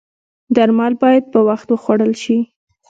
درمل باید په وخت وخوړل شي